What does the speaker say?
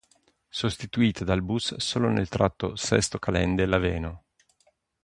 Sostituita da bus solo nel tratto Sesto Calende-Laveno.